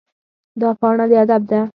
دا پاڼه د ادب ده.